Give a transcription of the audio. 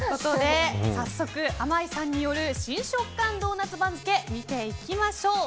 早速、あまいさんによる“新食感”ドーナツ番付見ていきましょう。